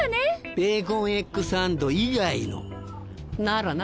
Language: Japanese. ベーコンエッグサンド以外のならな！